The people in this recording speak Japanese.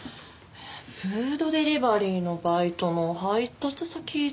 フードデリバリーのバイトの配達先だったかな。